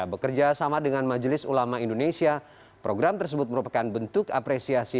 bekerja sama dengan majelis ulama indonesia program tersebut merupakan bentuk apresiasi